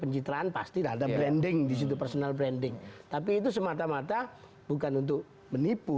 pencitraan pastilah ada branding disitu personal branding tapi itu semata mata bukan untuk menipu